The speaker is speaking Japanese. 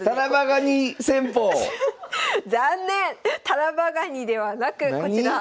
タラバガニではなくこちら。